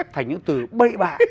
thành những từ bậy bạ